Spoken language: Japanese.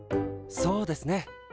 そうですね。